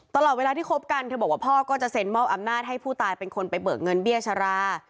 ตลอดเวลาที่คบกันเธอบอกว่าพ่อก็จะเซ็นมอบอำนาจให้ผู้ตายเป็นคนไปเบิกเงินเบี้ยชรา